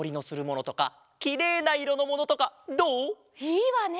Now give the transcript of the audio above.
いいわね。